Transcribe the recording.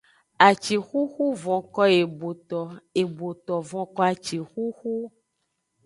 Acixuxu vonko eboto, eboto vonko acixuxu.